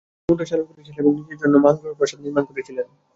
তিনি মুদ্রা চালু করেছিলেন এবং নিজের জন্য মানগ্রহ প্রাসাদ নির্মাণ করেছিলেন।